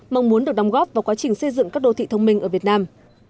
mong muốn được đóng góp vào quá trình xây dựng các đô thị thông minh ở việt nam